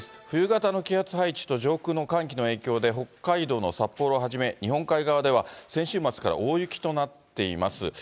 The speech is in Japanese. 冬型の気圧配置と上空の寒気の影響で、北海道の札幌をはじめ、日本海側では、先週末から大雪となっています。